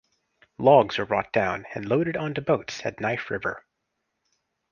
Logs were brought down and loaded onto boats at Knife River.